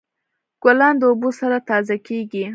ګلان د اوبو سره تازه کیږي.